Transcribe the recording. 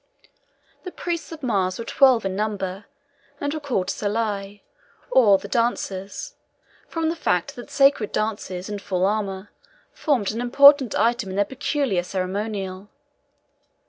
The priests of Mars were twelve in number, and were called Salii, or the dancers, from the fact that sacred dances, in full armour, formed an important item in their peculiar ceremonial.